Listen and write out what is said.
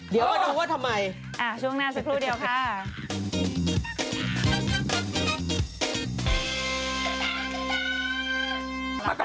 เดี๋ยวดูรอยสักค่ะ